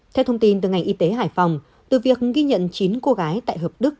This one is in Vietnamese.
theo thông tin từ ngành y tế hải phòng từ việc ghi nhận chín cô gái tại hợp đức